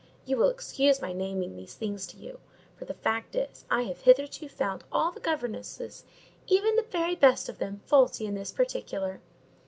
You will excuse my naming these things to you; for the fact is, I have hitherto found all the governesses, even the very best of them, faulty in this particular.